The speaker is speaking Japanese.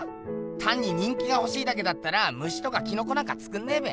たんに人気がほしいだけだったら虫とかキノコなんかつくんねえべ。